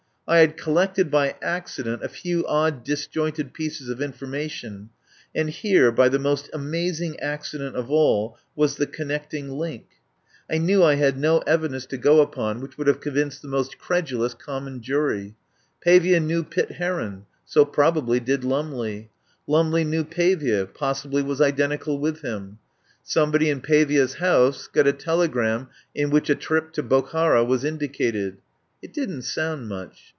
I had collected by accident a few odd dis jointed pieces of information, and here by the most amazing accident of all was the con necting link. I knew I had no evidence to go 4 8 I FIRST HEAR OF ANDREW LUMLEY upon which would have convinced the most credulous common jury. Pavia knew Pitt Heron; so probably did Lumley. Lumley knew Pavia, possibly was identical with him. Somebody in Pavia's house got a telegram in which a trip to Bokhara was indicated. It didn't sound much.